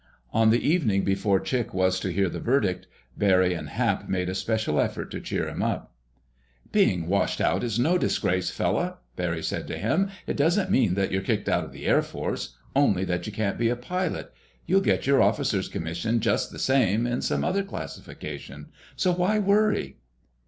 On the evening before Chick was to hear the verdict, Barry and Hap made a special effort to cheer him up. "Being 'washed out' is no disgrace, fella," Barry told him. "It doesn't mean that you're kicked out of the Air Forces—only that you can't be a pilot. You'll get your officer's commission just the same, in some other classification. So why worry?"